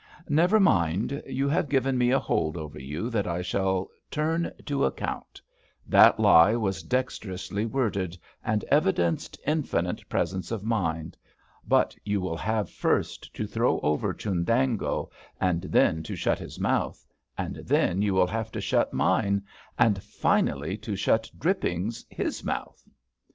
Never mind, you have given me a hold over you that I shall turn to account; that lie was dexterously worded, and evidenced infinite presence of mind; but you will have first to throw over Chundango, and then to shut his mouth, and then you will have to shut mine, and finally to shut Drippings his mouth.